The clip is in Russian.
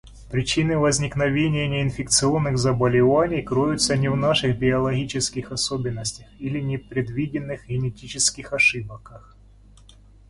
Причины возникновения неинфекционных заболеваний кроются не в наших биологических особенностях или непредвиденных генетических ошибках.